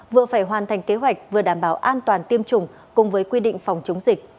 vừa phải hoàn thành kế hoạch vừa đảm bảo an toàn tiêm chủng cùng với quy định phòng chống dịch